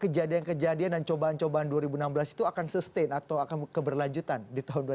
kejadian kejadian dan cobaan cobaan dua ribu enam belas itu akan sustain atau akan keberlanjutan di tahun dua ribu dua puluh